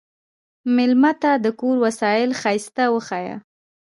مېلمه ته د کور وسایل ښايسته وښیه.